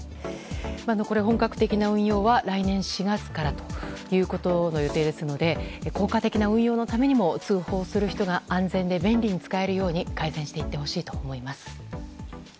これ本格的な運用は来現４月からの予定ですので効果的な運用のためにも通報する人が安全で便利に使えるように改善していってほしいと思います。